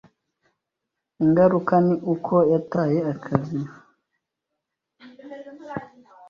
Ingaruka ni uko yataye akazi.